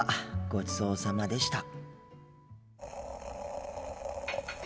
ごちそうさまでした。